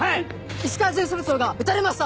・石川巡査部長が撃たれました！